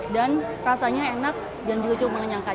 dan rasanya enak dan juga cukup mengenangkan